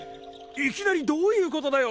いきなりどういうことだよ？